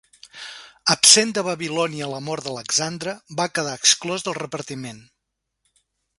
Absent de Babilònia a la mort d'Alexandre, va quedar exclòs del repartiment.